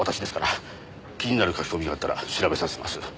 気になる書き込みがあったら調べさせます。